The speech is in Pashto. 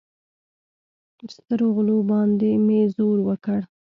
سترغلو باندې مې زور وکړ.